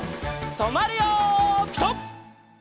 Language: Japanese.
とまるよピタ！